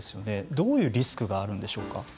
どういうリスクがあるんでしょうか。